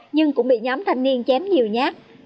nhưng cũng bị nhóm thanh niên chém nhiều nhát